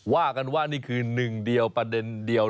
ว่ากันว่านี่คือหนึ่งเดียวประเด็นเดียว